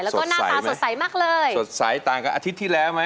แล้วก็หน้าตาสดใสมากเลยสดใสต่างกับอาทิตย์ที่แล้วไหม